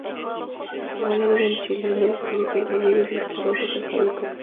Jugó al lado del chileno Felipe Gallegos y su compatriota Javier Cabrera.